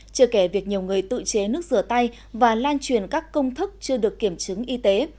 chưa kể việc nhiều người tự chế nước rửa tay và lan truyền các công thức chưa được kiểm chứng y tế